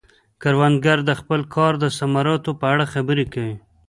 کروندګر د خپل کار د ثمراتو په اړه خبرې کوي